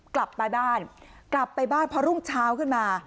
กลับไปบ้านกลับไปบ้านพอรุ่งเช้าขึ้นมา